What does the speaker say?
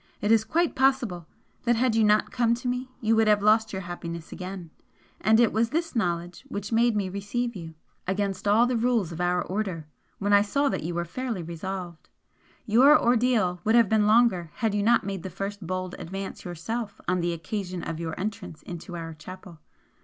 It is quite possible that had you not come to me you would have lost your happiness again, and it was this knowledge which made me receive you, against all the rules of our Order, when I saw that you were fairly resolved. Your ordeal would have been longer had you not made the first bold advance yourself on the occasion of your entrance into our chapel.